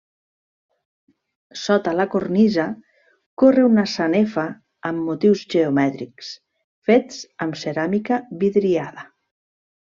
Sota la cornisa corre una sanefa amb motius geomètrics, fets amb ceràmica vidriada.